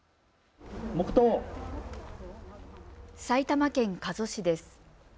埼玉県加須市です。